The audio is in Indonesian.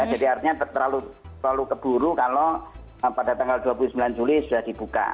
jadi artinya terlalu keburu kalau pada tanggal dua puluh sembilan juli sudah dibuka